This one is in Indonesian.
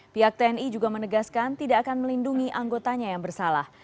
pihak tni juga menegaskan tidak akan melindungi anggotanya yang bersalah